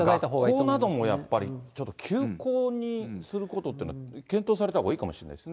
学校なんかもやっぱり、ちょっと休校にすることって、検討されたほうがいいかもしれないですね。